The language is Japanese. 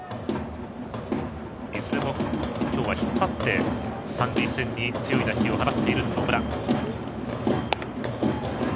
いずれも今日は引っ張って三塁線に強い打球を放っている野村。